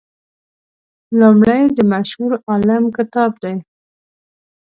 لومړی د مشهور عالم کتاب دی.